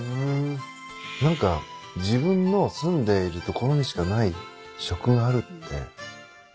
何か自分の住んでいる所にしかない食があるってすごくうれしいですね。